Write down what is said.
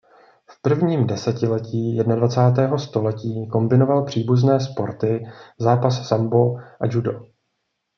V prvním desetiletí jednadvacátého století kombinoval příbuzné sporty zápas sambo a judo.